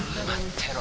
てろ